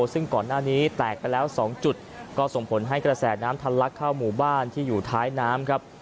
ซึ่งก่อนหน้านี้แตกไปแล้ว๒จุดก็ส่งผลให้กระแสน้ำทันลักเข้าหมู่บ้านที่อยู่ท้ายน้ำครับ